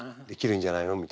「できるんじゃないの？」